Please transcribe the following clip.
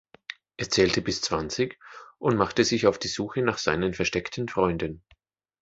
Er zählte bis zwanzig und machte sich auf die Suche nach seinen versteckten Freunden.